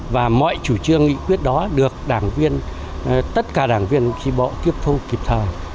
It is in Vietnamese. và mọi chủ trương nghị quyết đó được đảng viên tất cả đảng viên tri bộ tiếp thu kịp thời